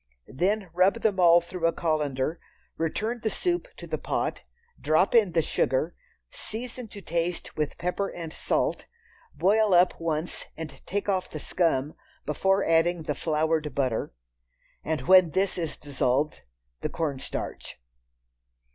Then rub them all through a colander, return the soup to the pot, drop in the sugar, season to taste with pepper and salt, boil up once and take off the scum before adding the floured butter, and when this is dissolved, the cornstarch.